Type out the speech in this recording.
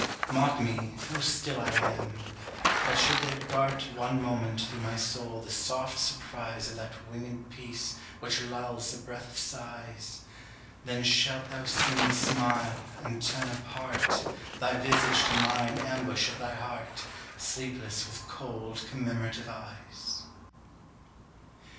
Mark me, how still I am! But should there dart One moment through my soul the soft surprise Of that winged Peace which lulls the breath of sighs, Then shalt thou see me smile, and turn apart Thy visage to mine ambush at thy heart Sleepless with cold commemorative eyes.